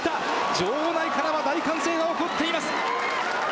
場内からは大歓声が起こっています。